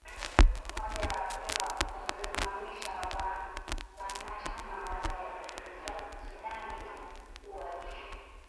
umoja wa afrika umesimamisha uanachama wa Sudan tangu mkuu wa jeshi